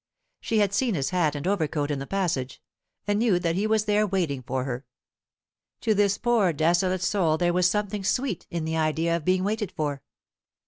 She had seen his hat and overcoat in the passage, and knew that he was there waiting for her. To this poor desolate soul there was something sweet in the idea of being waited for.